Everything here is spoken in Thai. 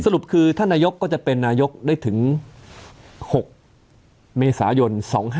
รุปคือท่านนายกก็จะเป็นนายกได้ถึง๖เมษายน๒๕๖